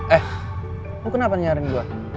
eh lu kenapa nyarin gue